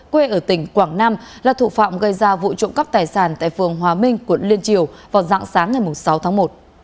quê ở tỉnh quảng nam là thủ phạm gây ra vụ trộm cắp tài sản tại phường hòa minh quận liên triều vào dạng sáng ngày sáu tháng một